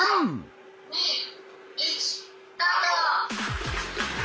３２１スタート！